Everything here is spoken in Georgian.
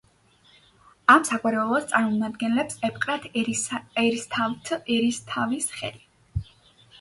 ამ საგვარეულოს წარმომადგენლებს ეპყრათ ერისთავთ-ერისთავის ხელი.